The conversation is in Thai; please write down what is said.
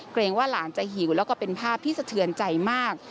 ว่าหลานจะหิวแล้วก็เป็นภาพที่สะเทือนใจมาก